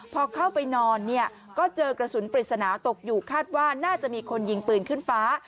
พอเข้าไปนอนเนี่ยก็เจอกระสุนปริศนาตกอยู่คาดว่าน่าจะมีคนยิงปืนขึ้นฟ้า